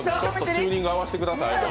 チューニング合わせてくださいよ。